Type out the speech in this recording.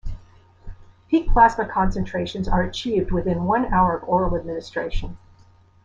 Peak plasma concentrations are achieved within one hour of oral administration.